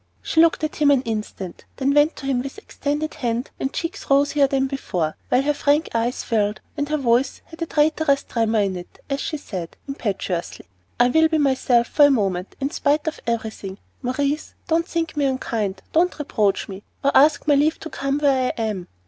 She looked at him an instant, then went to him with extended hand and cheeks rosier than before, while her frank eyes filled, and her voice had a traitorous tremor in it, as she said, impetuously: "I will be myself for a moment, in spite of everything. Maurice, don't think me unkind, don't reproach me, or ask my leave to come where I am.